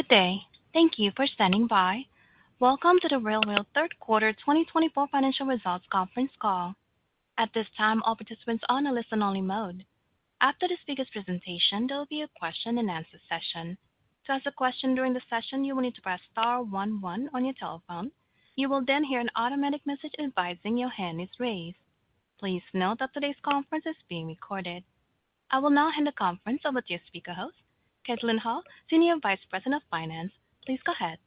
Good day. Thank you for standing by. Welcome to The RealReal Third Quarter 2024 Financial Results Conference call. At this time, all participants are on a listen-only mode. After the speaker's presentation, there will be a question-and-answer session. To ask a question during the session, you will need to press star one one on your telephone. You will then hear an automatic message advising your hand is raised. Please note that today's conference is being recorded. I will now hand the conference over to your speaker host, Caitlin Howe, Senior Vice President of Finance. Please go ahead.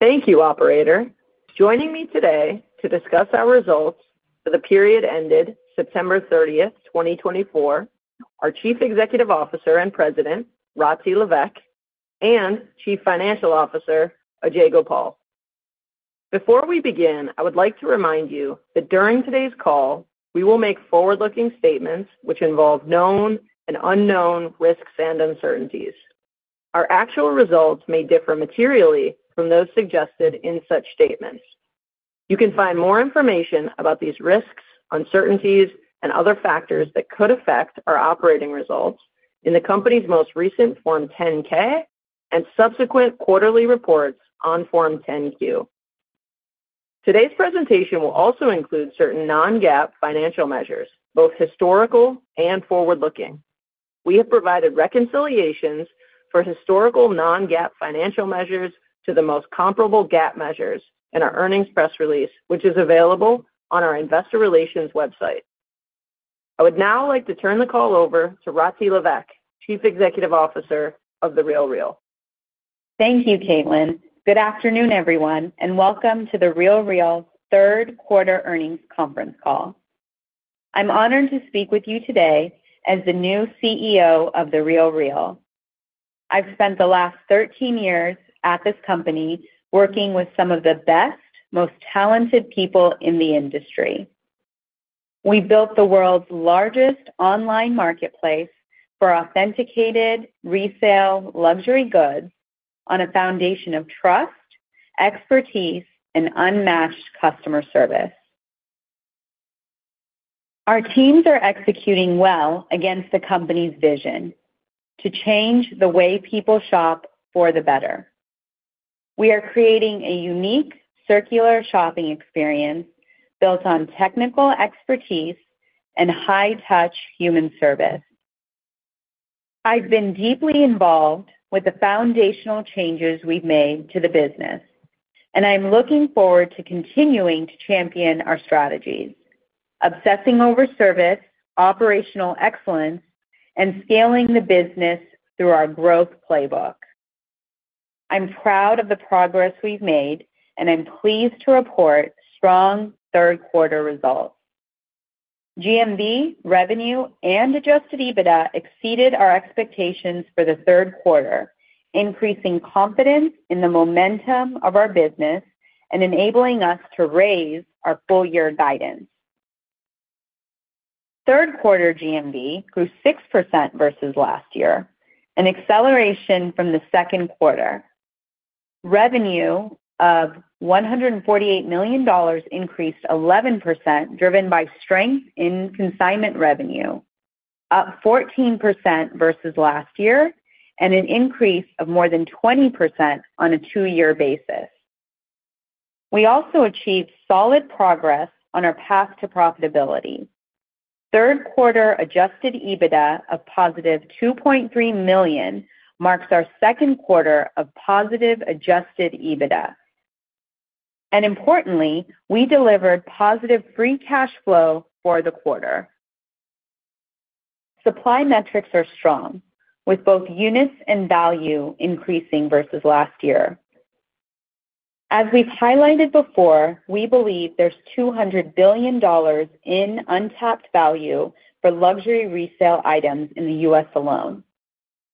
Thank you, Operator. Joining me today to discuss our results for the period ended September 30, 2024, are Chief Executive Officer and President, Rati Levesque, and Chief Financial Officer, Ajay Gopal. Before we begin, I would like to remind you that during today's call, we will make forward-looking statements which involve known and unknown risks and uncertainties. Our actual results may differ materially from those suggested in such statements. You can find more information about these risks, uncertainties, and other factors that could affect our operating results in the company's most recent Form 10-K and subsequent quarterly reports on Form 10-Q. Today's presentation will also include certain non-GAAP financial measures, both historical and forward-looking. We have provided reconciliations for historical non-GAAP financial measures to the most comparable GAAP measures in our earnings press release, which is available on our Investor Relations website. I would now like to turn the call over to Rati Levesque, Chief Executive Officer of The RealReal. Thank you, Caitlin. Good afternoon, everyone, and welcome to The RealReal Third Quarter Earnings Conference call. I'm honored to speak with you today as the new CEO of The RealReal. I've spent the last 13 years at this company working with some of the best, most talented people in the industry. We built the world's largest online marketplace for authenticated resale luxury goods on a foundation of trust, expertise, and unmatched customer service. Our teams are executing well against the company's vision to change the way people shop for the better. We are creating a unique circular shopping experience built on technical expertise and high-touch human service. I've been deeply involved with the foundational changes we've made to the business, and I'm looking forward to continuing to champion our strategies, obsessing over service, operational excellence, and scaling the business through our growth playbook. I'm proud of the progress we've made, and I'm pleased to report strong third-quarter results. GMV, revenue, and adjusted EBITDA exceeded our expectations for the third quarter, increasing confidence in the momentum of our business and enabling us to raise our full-year guidance. Third-quarter GMV grew 6% versus last year, an acceleration from the second quarter. Revenue of $148 million increased 11%, driven by strength in consignment revenue, up 14% versus last year, and an increase of more than 20% on a two-year basis. We also achieved solid progress on our path to profitability. Third-quarter adjusted EBITDA of positive $2.3 million marks our second quarter of positive adjusted EBITDA. And importantly, we delivered positive free cash flow for the quarter. Supply metrics are strong, with both units and value increasing versus last year. As we've highlighted before, we believe there's $200 billion in untapped value for luxury resale items in the U.S. alone.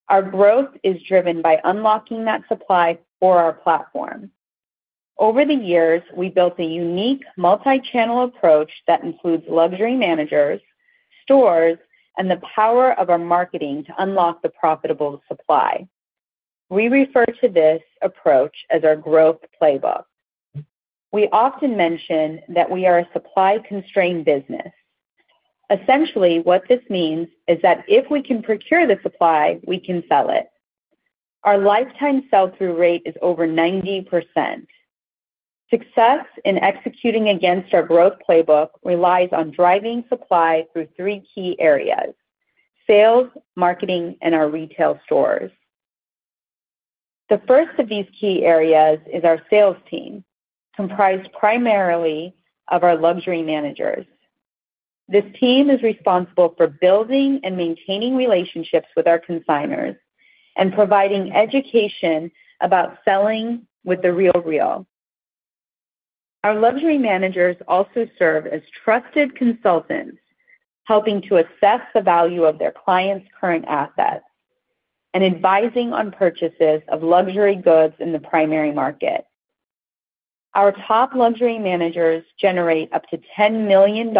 Our growth is driven by unlocking that supply for our platform. Over the years, we built a unique multi-channel approach that includes luxury managers, stores, and the power of our marketing to unlock the profitable supply. We refer to this approach as our growth playbook. We often mention that we are a supply-constrained business. Essentially, what this means is that if we can procure the supply, we can sell it. Our lifetime sell-through rate is over 90%. Success in executing against our growth playbook relies on driving supply through three key areas: sales, marketing, and our retail stores. The first of these key areas is our sales team, comprised primarily of our luxury managers. This team is responsible for building and maintaining relationships with our consignors and providing education about selling with The RealReal. Our luxury managers also serve as trusted consultants, helping to assess the value of their clients' current assets and advising on purchases of luxury goods in the primary market. Our top luxury managers generate up to $10 million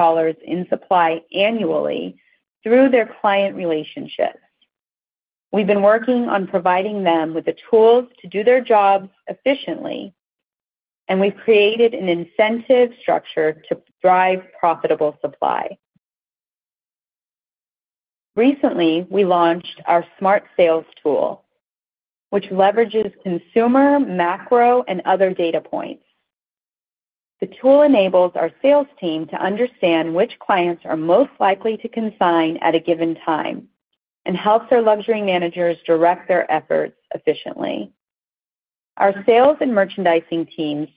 in supply annually through their client relationships. We've been working on providing them with the tools to do their jobs efficiently, and we've created an incentive structure to drive profitable supply. Recently, we launched our Smart Sales Tool, which leverages consumer, macro, and other data points. The tool enables our sales team to understand which clients are most likely to consign at a given time and helps our luxury managers direct their efforts efficiently. Our sales and merchandising teams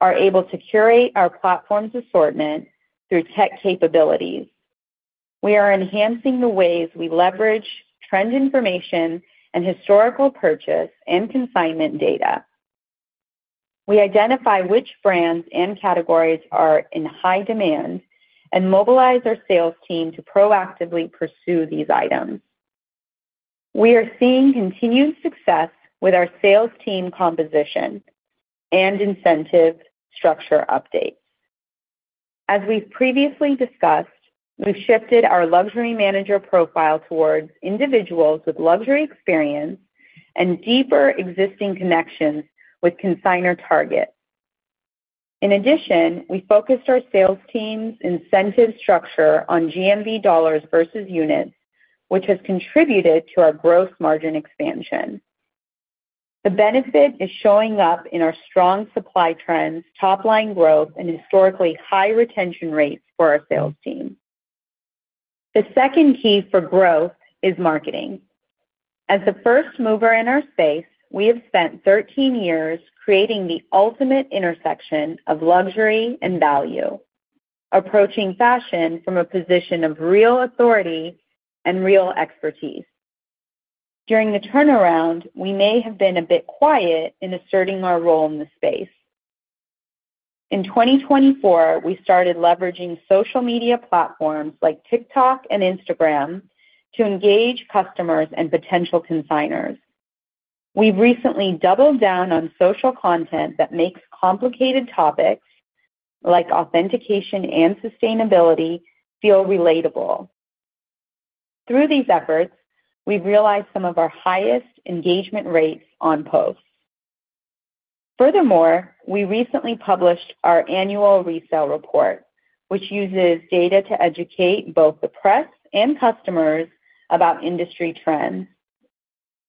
are able to curate our platform's assortment through tech capabilities. We are enhancing the ways we leverage trend information and historical purchase and consignment data. We identify which brands and categories are in high demand and mobilize our sales team to proactively pursue these items. We are seeing continued success with our sales team composition and incentive structure updates. As we've previously discussed, we've shifted our luxury manager profile towards individuals with luxury experience and deeper existing connections with consignor targets. In addition, we focused our sales team's incentive structure on GMV dollars versus units, which has contributed to our gross margin expansion. The benefit is showing up in our strong supply trends, top-line growth, and historically high retention rates for our sales team. The second key for growth is marketing. As the first mover in our space, we have spent 13 years creating the ultimate intersection of luxury and value, approaching fashion from a position of real authority and real expertise. During the turnaround, we may have been a bit quiet in asserting our role in the space. In 2024, we started leveraging social media platforms like TikTok and Instagram to engage customers and potential consignors. We've recently doubled down on social content that makes complicated topics like authentication and sustainability feel relatable. Through these efforts, we've realized some of our highest engagement rates on posts. Furthermore, we recently published our annual resale report, which uses data to educate both the press and customers about industry trends.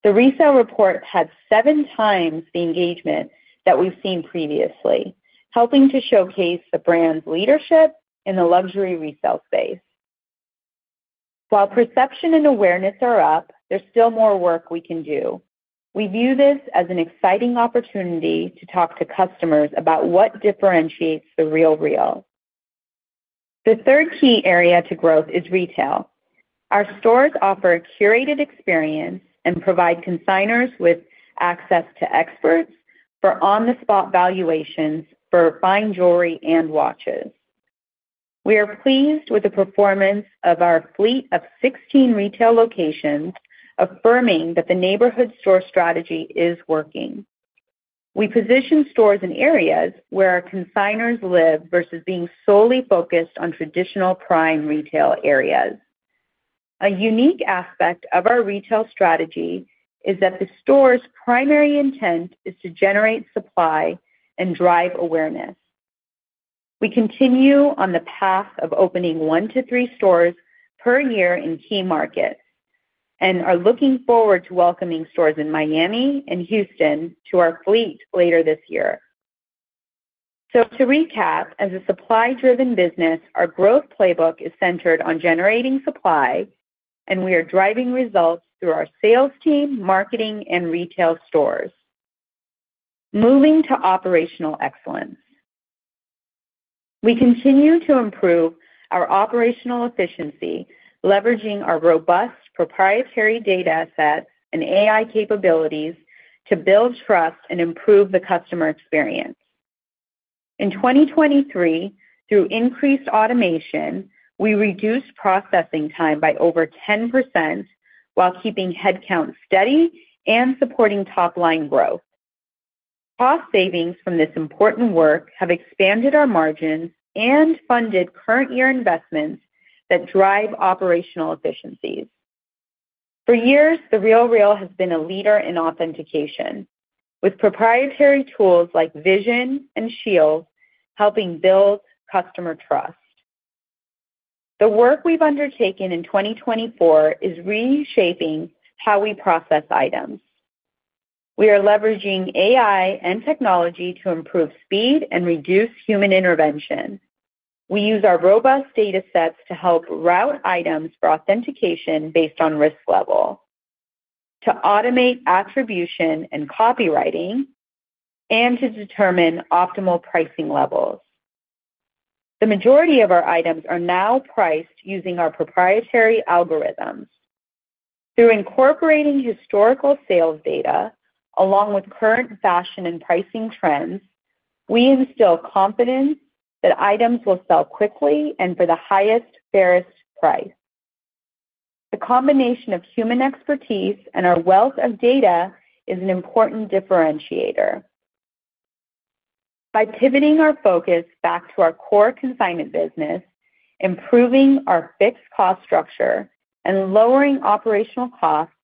The resale report had seven times the engagement that we've seen previously, helping to showcase the brand's leadership in the luxury resale space. While perception and awareness are up, there's still more work we can do. We view this as an exciting opportunity to talk to customers about what differentiates The RealReal. The third key area to growth is retail. Our stores offer a curated experience and provide consignors with access to experts for on-the-spot valuations for fine jewelry and watches. We are pleased with the performance of our fleet of 16 retail locations, affirming that the neighborhood store strategy is working. We position stores in areas where our consignors live versus being solely focused on traditional prime retail areas. A unique aspect of our retail strategy is that the store's primary intent is to generate supply and drive awareness. We continue on the path of opening one to three stores per year in key markets and are looking forward to welcoming stores in Miami and Houston to our fleet later this year. So to recap, as a supply-driven business, our growth playbook is centered on generating supply, and we are driving results through our sales team, marketing, and retail stores. Moving to operational excellence. We continue to improve our operational efficiency, leveraging our robust proprietary data sets and AI capabilities to build trust and improve the customer experience. In 2023, through increased automation, we reduced processing time by over 10% while keeping headcount steady and supporting top-line growth. Cost savings from this important work have expanded our margins and funded current-year investments that drive operational efficiencies. For years, The RealReal has been a leader in authentication, with proprietary tools like Vision and Shield helping build customer trust. The work we've undertaken in 2024 is reshaping how we process items. We are leveraging AI and technology to improve speed and reduce human intervention. We use our robust data sets to help route items for authentication based on risk level, to automate authentication and copywriting, and to determine optimal pricing levels. The majority of our items are now priced using our proprietary algorithms. Through incorporating historical sales data along with current fashion and pricing trends, we instill confidence that items will sell quickly and for the highest, fairest price. The combination of human expertise and our wealth of data is an important differentiator. By pivoting our focus back to our core consignment business, improving our fixed cost structure, and lowering operational costs,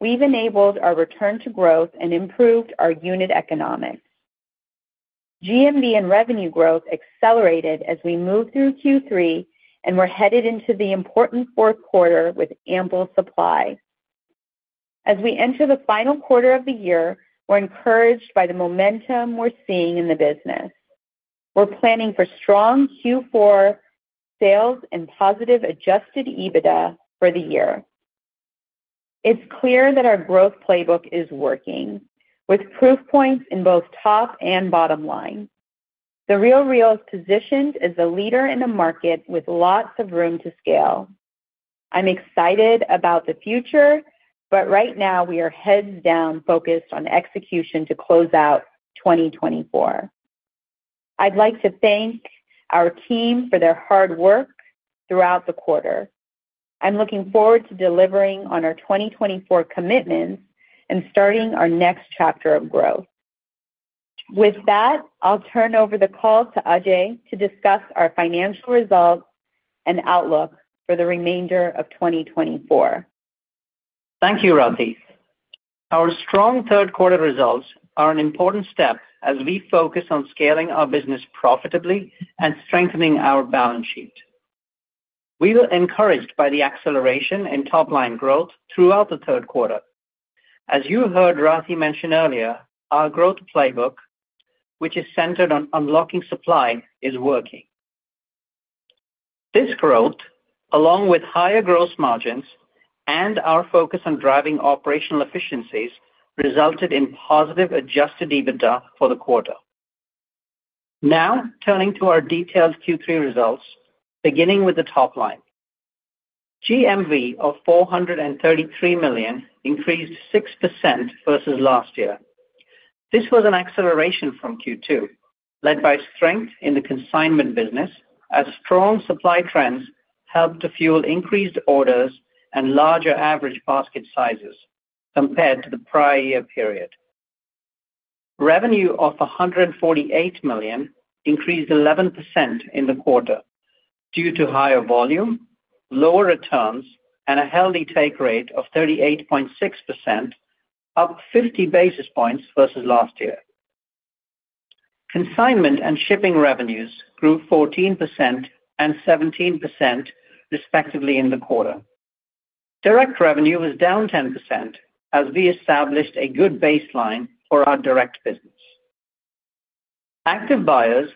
we've enabled our return to growth and improved our unit economics. GMV and revenue growth accelerated as we moved through Q3 and were headed into the important fourth quarter with ample supply. As we enter the final quarter of the year, we're encouraged by the momentum we're seeing in the business. We're planning for strong Q4 sales and positive Adjusted EBITDA for the year. It's clear that our growth playbook is working, with proof points in both top and bottom line. The RealReal is positioned as the leader in the market with lots of room to scale. I'm excited about the future, but right now we are heads down focused on execution to close out 2024. I'd like to thank our team for their hard work throughout the quarter. I'm looking forward to delivering on our 2024 commitments and starting our next chapter of growth. With that, I'll turn over the call to Ajay to discuss our financial results and outlook for the remainder of 2024. Thank you, Rati. Our strong third-quarter results are an important step as we focus on scaling our business profitably and strengthening our balance sheet. We were encouraged by the acceleration in top-line growth throughout the third quarter. As you heard Rati mention earlier, our growth playbook, which is centered on unlocking supply, is working. This growth, along with higher gross margins and our focus on driving operational efficiencies, resulted in positive Adjusted EBITDA for the quarter. Now, turning to our detailed Q3 results, beginning with the top line. GMV of $433 million increased 6% versus last year. This was an acceleration from Q2, led by strength in the consignment business as strong supply trends helped to fuel increased orders and larger average basket sizes compared to the prior year period. Revenue of $148 million increased 11% in the quarter due to higher volume, lower returns, and a healthy take rate of 38.6%, up 50 basis points versus last year. Consignment and shipping revenues grew 14% and 17%, respectively, in the quarter. Direct revenue was down 10% as we established a good baseline for our direct business. Active buyers,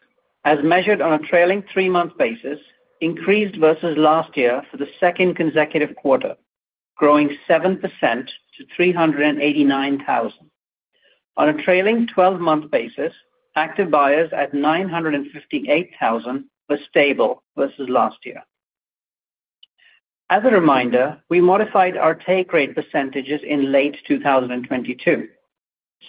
as measured on a trailing three-month basis, increased versus last year for the second consecutive quarter, growing 7% to 389,000. On a trailing 12-month basis, active buyers at 958,000 were stable versus last year. As a reminder, we modified our take rate percentages in late 2022.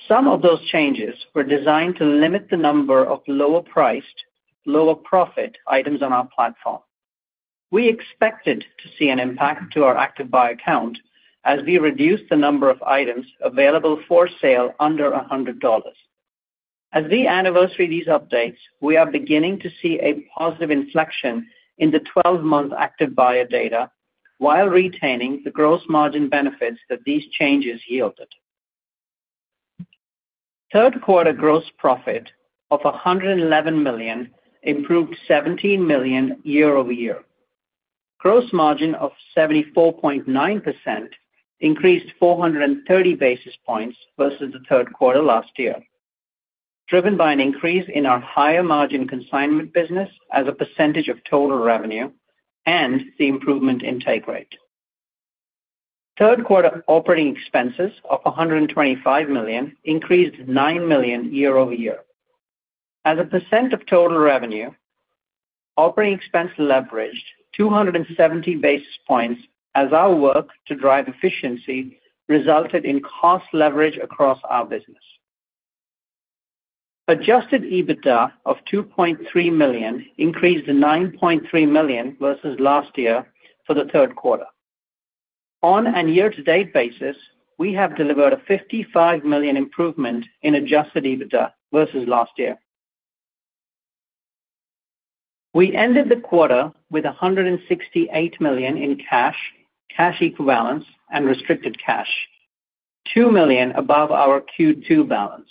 Some of those changes were designed to limit the number of lower-priced, lower-profit items on our platform. We expected to see an impact to our active buyer count as we reduced the number of items available for sale under $100. As we anniversary these updates, we are beginning to see a positive inflection in the 12-month active buyer data while retaining the gross margin benefits that these changes yielded. Third-quarter gross profit of $111 million improved $17 million year-over-year. Gross margin of 74.9% increased 430 basis points versus the third quarter last year, driven by an increase in our higher margin consignment business as a percentage of total revenue and the improvement in take rate. Third-quarter operating expenses of $125 million increased $9 million year-over-year. As a percent of total revenue, operating expense leveraged 270 basis points as our work to drive efficiency resulted in cost leverage across our business. Adjusted EBITDA of $2.3 million increased to $9.3 million versus last year for the third quarter. On a year-to-date basis, we have delivered a $55 million improvement in adjusted EBITDA versus last year. We ended the quarter with $168 million in cash, cash equivalents, and restricted cash, $2 million above our Q2 balance.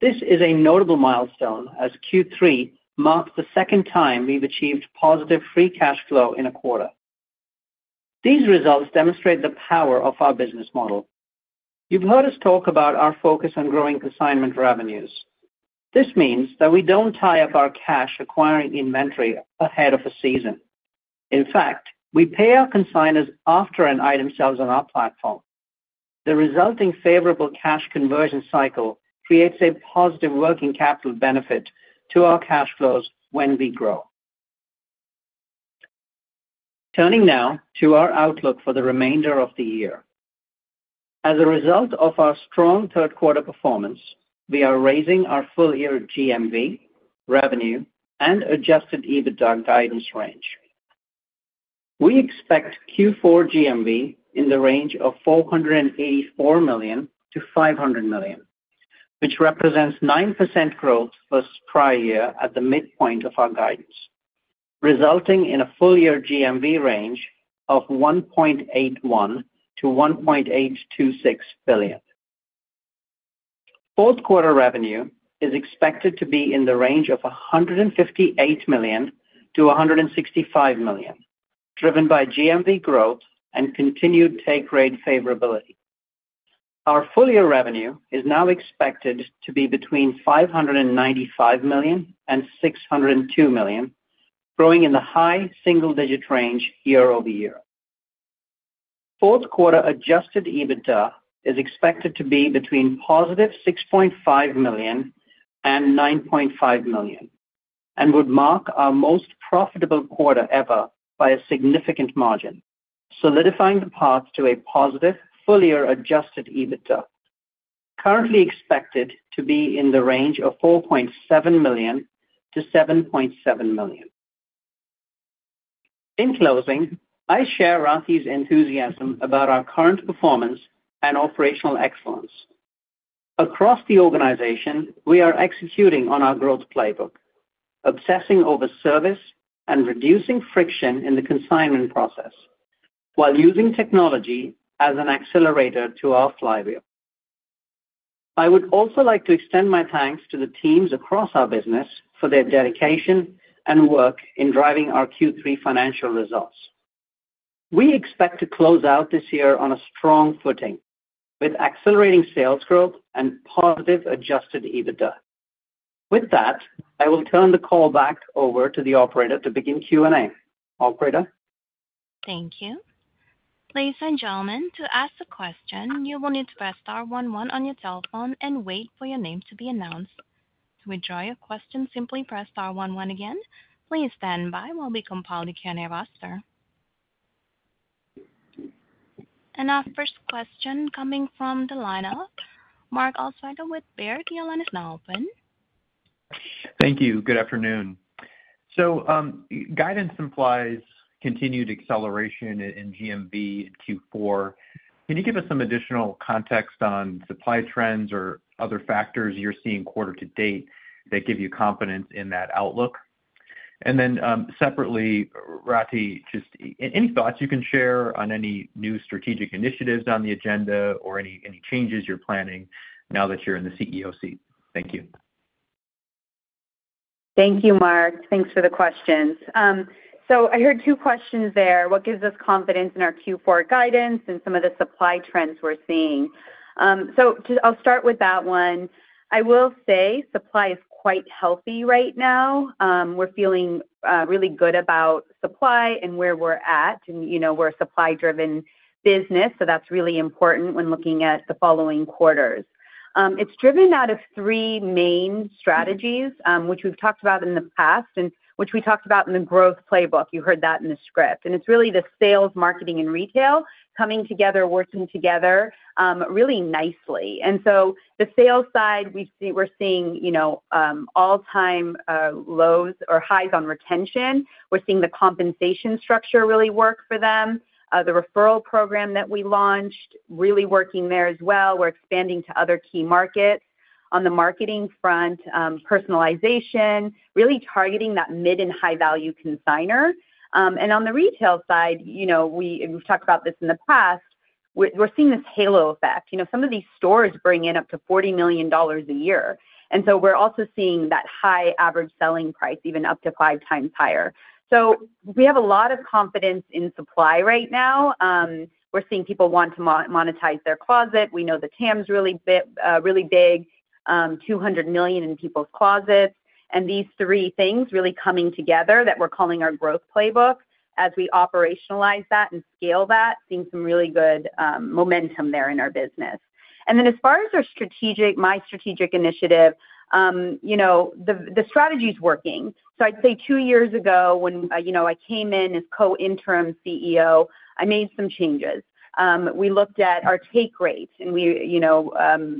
This is a notable milestone as Q3 marks the second time we've achieved positive free cash flow in a quarter. These results demonstrate the power of our business model. You've heard us talk about our focus on growing consignment revenues. This means that we don't tie up our cash acquiring inventory ahead of a season. In fact, we pay our consignors after an item sells on our platform. The resulting favorable cash conversion cycle creates a positive working capital benefit to our cash flows when we grow. Turning now to our outlook for the remainder of the year. As a result of our strong third-quarter performance, we are raising our full-year GMV, revenue, and Adjusted EBITDA guidance range. We expect Q4 GMV in the range of $484 million-$500 million, which represents 9% growth versus prior year at the midpoint of our guidance, resulting in a full-year GMV range of $1.81-$1.826 billion. Fourth-quarter revenue is expected to be in the range of $158-$165 million, driven by GMV growth and continued take rate favorability. Our full-year revenue is now expected to be between $595 million and $602 million, growing in the high single-digit range year-over-year. Fourth-quarter Adjusted EBITDA is expected to be between positive $6.5-$9.5 million and would mark our most profitable quarter ever by a significant margin, solidifying the path to a positive full-year Adjusted EBITDA, currently expected to be in the range of $4.7-$7.7 million. In closing, I share Rati's enthusiasm about our current performance and operational excellence. Across the organization, we are executing on our growth playbook, obsessing over service and reducing friction in the consignment process while using technology as an accelerator to our flywheel. I would also like to extend my thanks to the teams across our business for their dedication and work in driving our Q3 financial results. We expect to close out this year on a strong footing with accelerating sales growth and positive Adjusted EBITDA. With that, I will turn the call back over to the operator to begin Q&A. Operator. Thank you. Ladies and gentlemen, to ask a question, you will need to press starone one on your telephone and wait for your name to be announced. To withdraw your question, simply press star one one again. Please stand by while we compile the Q&A roster, and our first question coming from the lineup, Mark Altschwager with Baird. Line is now open. Thank you. Good afternoon, so guidance implies continued acceleration in GMV in Q4. Can you give us some additional context on supply trends or other factors you're seeing quarter to date that give you confidence in that outlook? And then separately, Rati, just any thoughts you can share on any new strategic initiatives on the agenda or any changes you're planning now that you're in the CEO seat? Thank you. Thank you, Mark. Thanks for the questions. So I heard two questions there. What gives us confidence in our Q4 guidance and some of the supply trends we're seeing? So I'll start with that one. I will say supply is quite healthy right now. We're feeling really good about supply and where we're at. And we're a supply-driven business, so that's really important when looking at the following quarters. It's driven out of three main strategies, which we've talked about in the past and which we talked about in the growth playbook. You heard that in the script, and it's really the sales, marketing, and retail coming together, working together really nicely. And so the sales side, we're seeing all-time lows or highs on retention. We're seeing the compensation structure really work for them. The referral program that we launched really working there as well. We're expanding to other key markets. On the marketing front, personalization, really targeting that mid and high-value consignor. And on the retail side, we've talked about this in the past, we're seeing this halo effect. Some of these stores bring in up to $40 million a year. And so we're also seeing that high average selling price even up to five times higher. So we have a lot of confidence in supply right now. We're seeing people want to monetize their closet. We know the TAM's really big, $200 million in people's closets. These three things really coming together that we're calling our growth playbook, as we operationalize that and scale that, seeing some really good momentum there in our business. Then as far as my strategic initiative, the strategy is working. So I'd say two years ago when I came in as co-interim CEO, I made some changes. We looked at our take rate and we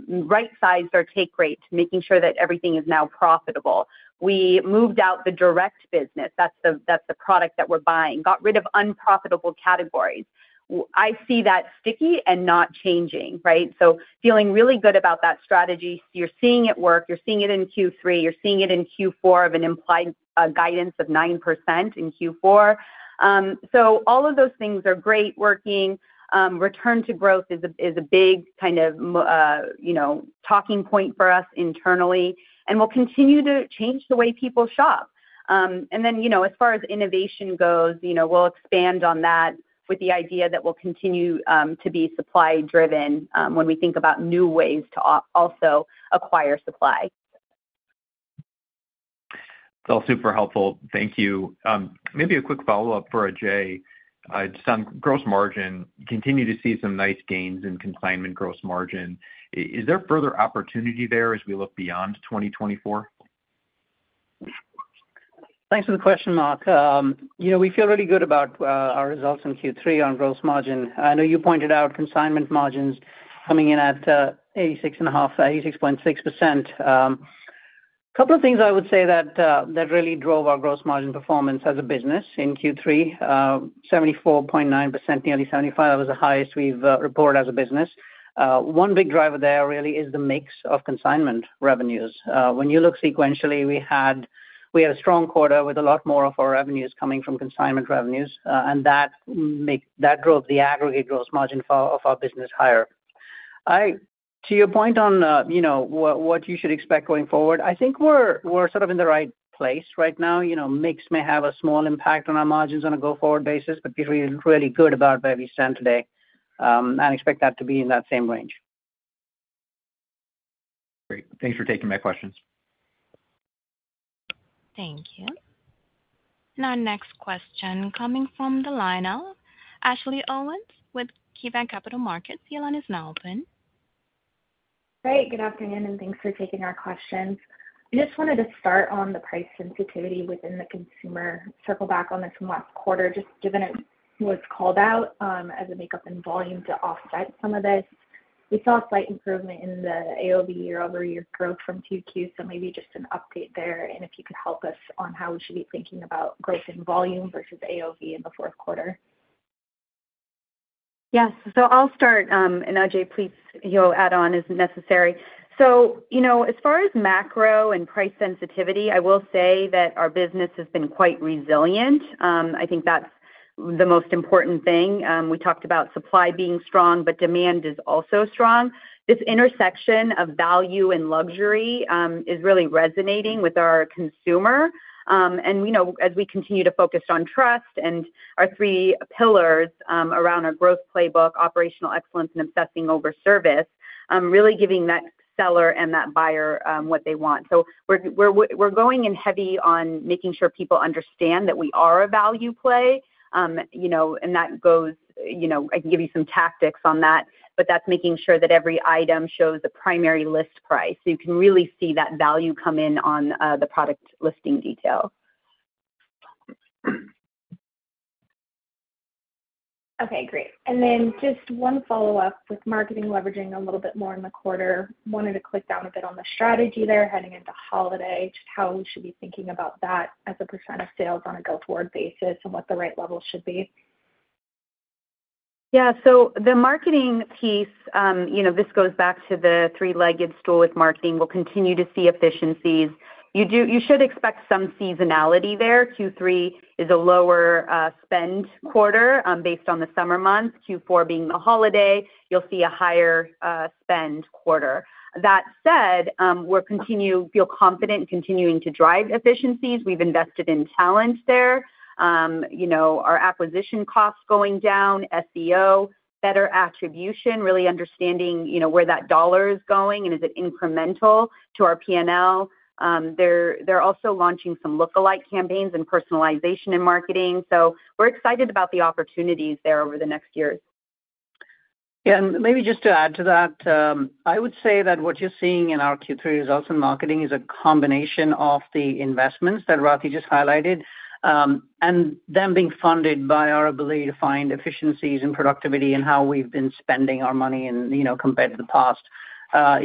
right-sized our take rate, making sure that everything is now profitable. We moved out the direct business. That's the product that we're buying. Got rid of unprofitable categories. I see that sticky and not changing, right? So feeling really good about that strategy. You're seeing it work. You're seeing it in Q3. You're seeing it in Q4 of an implied guidance of 9% in Q4. So all of those things are great, working. Return to growth is a big kind of talking point for us internally. And we'll continue to change the way people shop. And then as far as innovation goes, we'll expand on that with the idea that we'll continue to be supply-driven when we think about new ways to also acquire supply. That's all super helpful. Thank you. Maybe a quick follow-up for Ajay. Just on gross margin, continue to see some nice gains in consignment gross margin. Is there further opportunity there as we look beyond 2024? Thanks for the question, Mark. We feel really good about our results in Q3 on gross margin. I know you pointed out consignment margins coming in at 86.6%. A couple of things I would say that really drove our gross margin performance as a business in Q3, 74.9%, nearly 75%. That was the highest we've reported as a business. One big driver there really is the mix of consignment revenues. When you look sequentially, we had a strong quarter with a lot more of our revenues coming from consignment revenues, and that drove the aggregate gross margin of our business higher. To your point on what you should expect going forward, I think we're sort of in the right place right now. Mix may have a small impact on our margins on a go-forward basis, but we feel really good about where we stand today and expect that to be in that same range. Great. Thanks for taking my questions. Thank you. And our next question coming from the lineup, Ashley Owens with KeyBanc Capital Markets. The line is now open. Great. Good afternoon, and thanks for taking our questions. I just wanted to start on the price sensitivity within the consumer. Circle back on this from last quarter, just given it was called out as a makeup in volume to offset some of this. We saw a slight improvement in the AOV year-over-year growth from Q2, so maybe just an update there, and if you could help us on how we should be thinking about growth in volume versus AOV in the fourth quarter. Yes, so I'll start, and Ajay, please you'll add on as necessary, so as far as macro and price sensitivity, I will say that our business has been quite resilient. I think that's the most important thing. We talked about supply being strong, but demand is also strong. This intersection of value and luxury is really resonating with our consumer. And as we continue to focus on trust and our three pillars around our growth playbook, operational excellence, and obsessing over service, really giving that seller and that buyer what they want. So we're going in heavy on making sure people understand that we are a value play. And that goes. I can give you some tactics on that, but that's making sure that every item shows the primary list price so you can really see that value come in on the product listing detail. Okay. Great. And then just one follow-up with marketing leveraging a little bit more in the quarter. Wanted to click down a bit on the strategy there heading into holiday, just how we should be thinking about that as a % of sales on a go-forward basis and what the right level should be. Yeah. So the marketing piece, this goes back to the three-legged stool with marketing. We'll continue to see efficiencies. You should expect some seasonality there. Q3 is a lower spend quarter based on the summer months. Q4 being the holiday, you'll see a higher spend quarter. That said, we'll feel confident in continuing to drive efficiencies. We've invested in talent there. Our acquisition costs going down, SEO, better attribution, really understanding where that dollar is going and is it incremental to our P&L. They're also launching some lookalike campaigns and personalization in marketing. So we're excited about the opportunities there over the next years. Yeah. And maybe just to add to that, I would say that what you're seeing in our Q3 results in marketing is a combination of the investments that Rati just highlighted and them being funded by our ability to find efficiencies and productivity and how we've been spending our money compared to the past.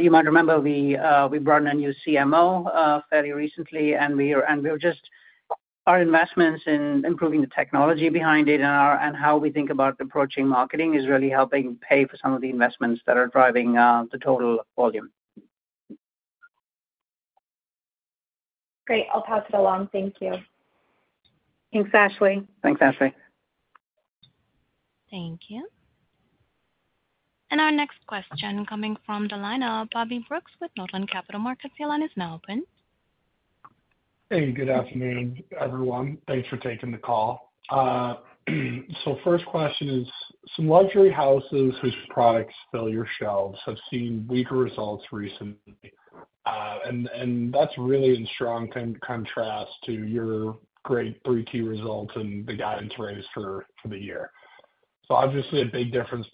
You might remember we brought in a new CMO fairly recently, and our investments in improving the technology behind it and how we think about approaching marketing is really helping pay for some of the investments that are driving the total volume. Great. I'll pass it along. Thank you. Thanks, Ashley. Thanks, Ashley. Thank you. And our next question coming from the lineup, Bobby Brooks with Northland Capital Markets. The line is now open. Hey. Good afternoon, everyone. Thanks for taking the call. So first question is, some luxury houses whose products fill your shelves have seen weaker results recently. And that's really in strong contrast to your great Q3 results and the guidance raised for the year. So obviously, a big difference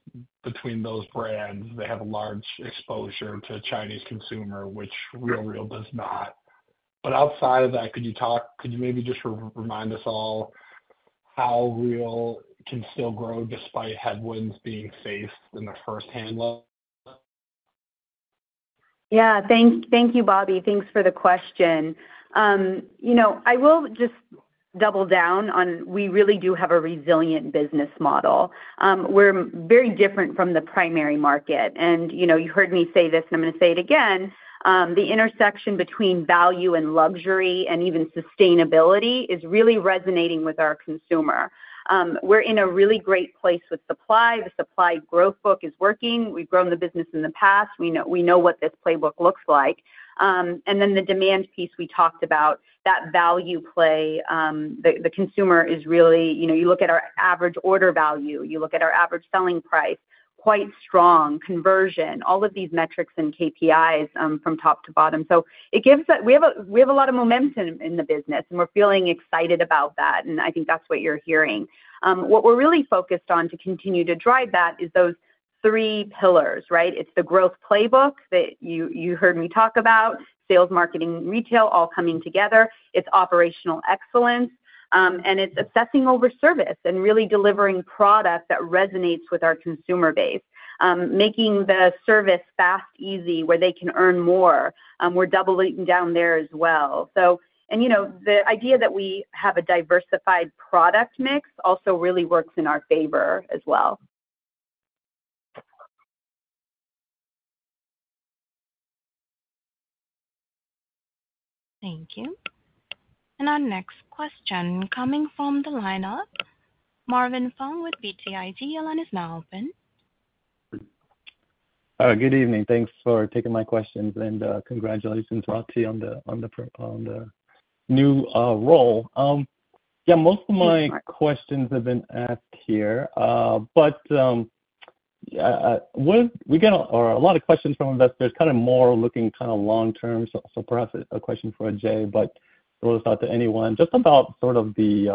between those brands, they have a large exposure to a Chinese consumer, which RealReal does not. But outside of that, could you maybe just remind us all how Real can still grow despite headwinds being faced in the first half? Yeah. Thank you, Bobby. Thanks for the question. I will just double down on we really do have a resilient business model. We're very different from the primary market. And you heard me say this, and I'm going to say it again. The intersection between value and luxury and even sustainability is really resonating with our consumer. We're in a really great place with supply. The supply growth book is working. We've grown the business in the past. We know what this playbook looks like, and then the demand piece we talked about, that value play, the consumer is really, you look at our average order value. You look at our average selling price, quite strong, conversion, all of these metrics and KPIs from top to bottom, so we have a lot of momentum in the business, and we're feeling excited about that, and I think that's what you're hearing. What we're really focused on to continue to drive that is those three pillars, right? It's the growth playbook that you heard me talk about, sales, marketing, and retail all coming together. It's operational excellence, and it's obsessing over service and really delivering product that resonates with our consumer base, making the service fast, easy, where they can earn more. We're doubling down there as well. And the idea that we have a diversified product mix also really works in our favor as well. Thank you. And our next question coming from the lineup, Marvin Fong with BTIG. The line is now open. Good evening. Thanks for taking my questions. And congratulations, Rati, on the new role. Yeah. Most of my questions have been asked here, but we got a lot of questions from investors, kind of more looking kind of long-term. So perhaps a question for Ajay, but it was not to anyone. Just about sort of the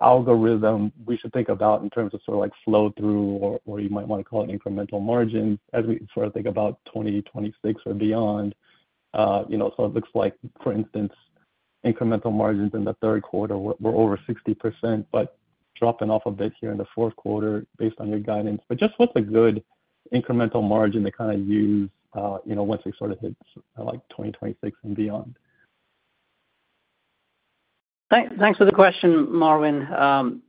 algorithm we should think about in terms of sort of flow-through or you might want to call it incremental margins as we sort of think about 2026 or beyond. So it looks like, for instance, incremental margins in the third quarter were over 60%, but dropping off a bit here in the fourth quarter based on your guidance. But just what's a good incremental margin to kind of use once we sort of hit 2026 and beyond? Thanks for the question, Marvin.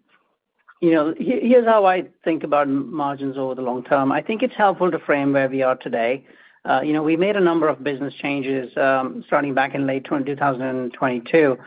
Here's how I think about margins over the long term. I think it's helpful to frame where we are today. We made a number of business changes starting back in late 2022.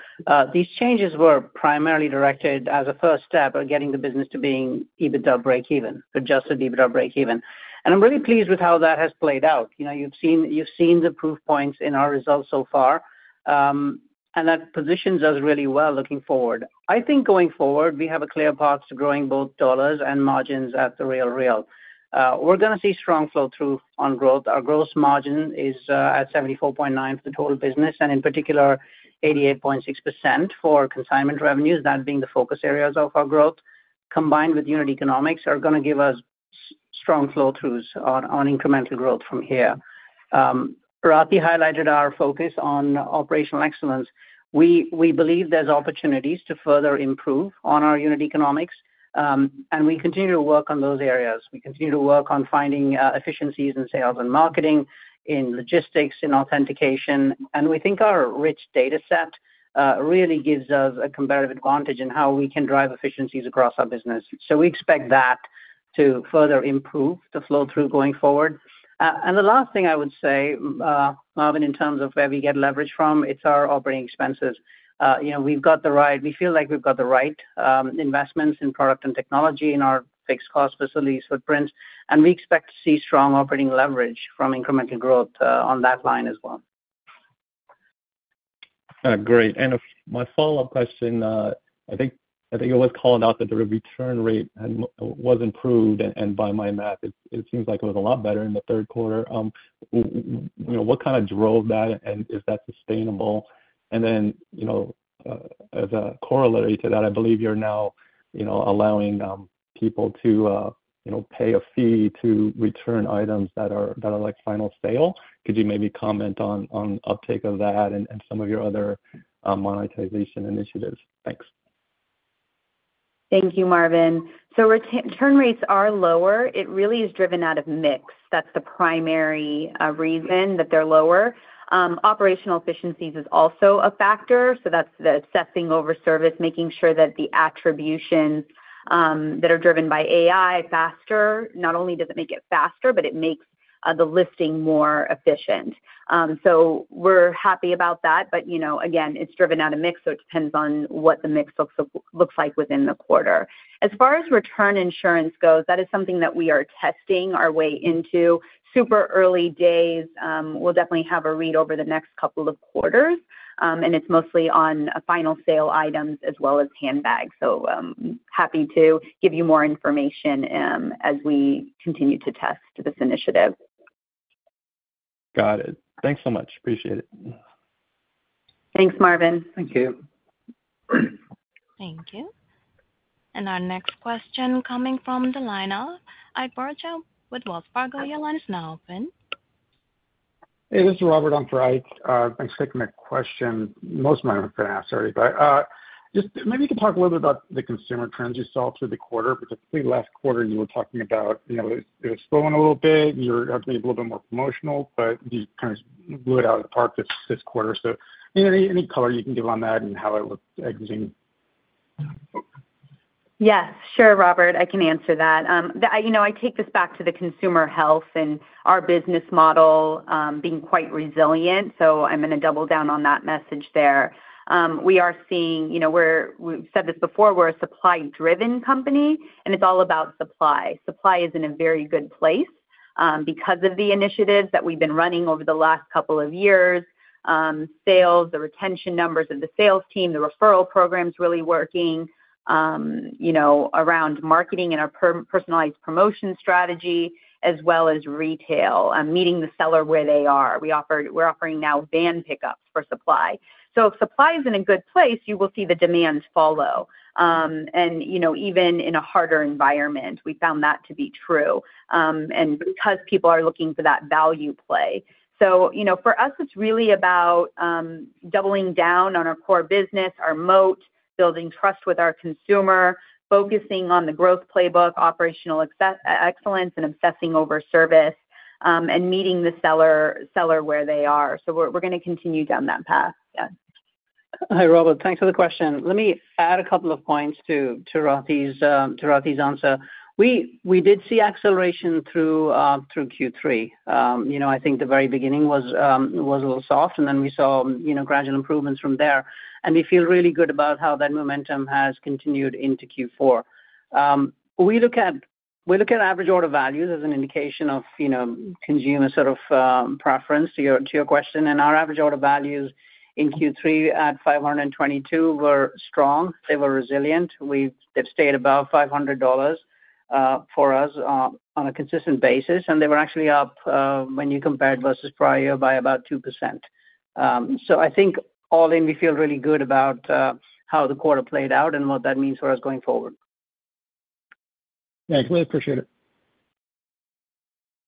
These changes were primarily directed as a first step of getting the business to being EBITDA break-even, Adjusted EBITDA break-even. And I'm really pleased with how that has played out. You've seen the proof points in our results so far, and that positions us really well looking forward. I think going forward, we have a clear path to growing both dollars and margins at The RealReal. We're going to see strong flow-through on growth. Our gross margin is at 74.9% for the total business, and in particular, 88.6% for consignment revenues, that being the focus areas of our growth, combined with unit economics are going to give us strong flow-throughs on incremental growth from here. Rati highlighted our focus on operational excellence. We believe there's opportunities to further improve on our unit economics, and we continue to work on those areas. We continue to work on finding efficiencies in sales and marketing, in logistics, in authentication, and we think our rich data set really gives us a comparative advantage in how we can drive efficiencies across our business, so we expect that to further improve the flow-through going forward. The last thing I would say, Marvin, in terms of where we get leverage from, it's our operating expenses. We feel like we've got the right investments in product and technology in our fixed cost facilities footprint. We expect to see strong operating leverage from incremental growth on that line as well. Great. My follow-up question, I think you always call it out that the return rate was improved, and by my math, it seems like it was a lot better in the third quarter. What kind of drove that, and is that sustainable? As a corollary to that, I believe you're now allowing people to pay a fee to return items that are final sale. Could you maybe comment on uptake of that and some of your other monetization initiatives? Thanks. Thank you, Marvin, so return rates are lower. It really is driven out of mix. That's the primary reason that they're lower. Operational efficiencies is also a factor. So that's the obsessing over service, making sure that the authentications that are driven by AI faster. Not only does it make it faster, but it makes the listing more efficient. So we're happy about that. But again, it's driven out of mix, so it depends on what the mix looks like within the quarter. As far as Return Assurance goes, that is something that we are testing our way into. Super early days. We'll definitely have a read over the next couple of quarters. And it's mostly on final sale items as well as handbags. So happy to give you more information as we continue to test this initiative. Got it. Thanks so much. Appreciate it. Thanks, Marvin. Thank you. Thank you. Our next question coming from the lineup, Ike Boruchow with Wells Fargo. The line is now open. Hey, this is Robert. I'm for Ike. I'm just taking a question. Most of mine I'm going to ask already, but just maybe you could talk a little bit about the consumer trends you saw through the quarter, but the last quarter, you were talking about it was slowing a little bit. You were having a little bit more promotional, but you kind of blew it out of the park this quarter. So any color you can give on that and how it looked exiting. Yes. Sure, Robert. I can answer that. I take this back to the consumer health and our business model being quite resilient, so I'm going to double down on that message there. We are seeing we've said this before. We're a supply-driven company, and it's all about supply. Supply is in a very good place because of the initiatives that we've been running over the last couple of years: sales, the retention numbers of the sales team, the referral programs really working around marketing and our personalized promotion strategy, as well as retail, meeting the seller where they are. We're offering now van pickups for supply. So if supply is in a good place, you will see the demand follow. And even in a harder environment, we found that to be true because people are looking for that value play. So for us, it's really about doubling down on our core business, our moat, building trust with our consumer, focusing on the growth playbook, operational excellence, and obsessing over service, and meeting the seller where they are. So we're going to continue down that path. Yeah. Hi, Robert. Thanks for the question. Let me add a couple of points to Rati's answer. We did see acceleration through Q3. I think the very beginning was a little soft, and then we saw gradual improvements from there, and we feel really good about how that momentum has continued into Q4. We look at average order values as an indication of consumer sort of preference to your question. And our average order values in Q3 at $522 were strong. They were resilient. They've stayed above $500 for us on a consistent basis, and they were actually up when you compared versus prior year by about 2%. So I think all in, we feel really good about how the quarter played out and what that means for us going forward. Thanks. Really appreciate it.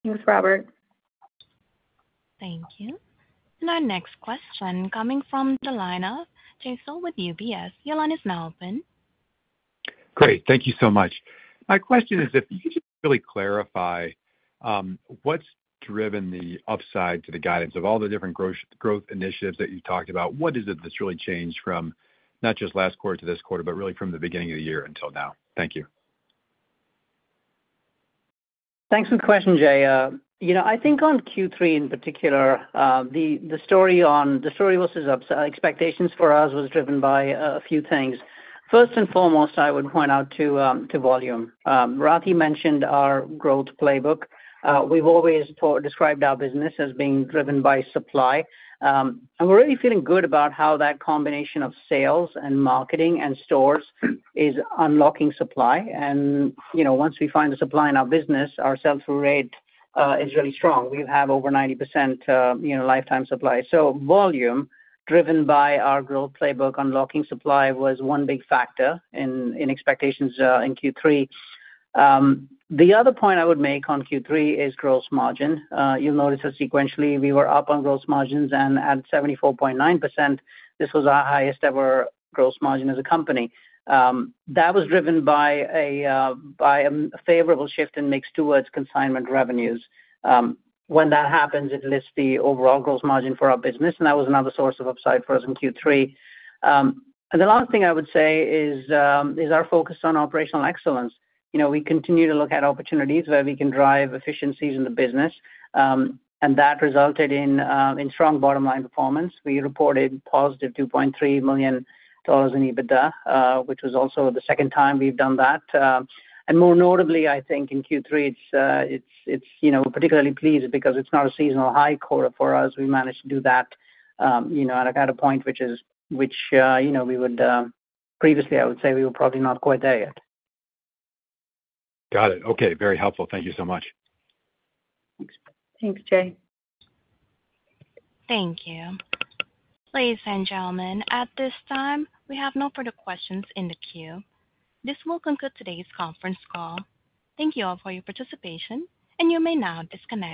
Thanks, Robert. Thank you, and our next question coming from the lineup, Jay Sole with UBS. The line is now open. Great. Thank you so much. My question is, if you could just really clarify what's driven the upside to the guidance of all the different growth initiatives that you've talked about, what is it that's really changed from not just last quarter to this quarter, but really from the beginning of the year until now? Thank you. Thanks for the question, Jay. I think on Q3 in particular, the story versus expectations for us was driven by a few things. First and foremost, I would point out to volume. Rati mentioned our growth playbook. We've always described our business as being driven by supply. And we're really feeling good about how that combination of sales and marketing and stores is unlocking supply. And once we find the supply in our business, our sell-through rate is really strong. We have over 90% lifetime supply. So volume driven by our growth playbook unlocking supply was one big factor in expectations in Q3. The other point I would make on Q3 is gross margin. You'll notice that sequentially, we were up on gross margins and at 74.9%. This was our highest ever gross margin as a company. That was driven by a favorable shift in mix towards consignment revenues. When that happens, it lifts the overall gross margin for our business. And that was another source of upside for us in Q3. And the last thing I would say is our focus on operational excellence. We continue to look at opportunities where we can drive efficiencies in the business. And that resulted in strong bottom-line performance. We reported positive $2.3 million in EBITDA, which was also the second time we've done that. And more notably, I think in Q3, we're particularly pleased because it's not a seasonal high quarter for us. We managed to do that at a point which we would previously, I would say, we were probably not quite there yet. Got it. Okay. Very helpful. Thank you so much. Thanks, Jay. Thank you. Ladies and gentlemen, at this time, we have no further questions in the queue. This will conclude today's conference call. Thank you all for your participation, and you may now disconnect.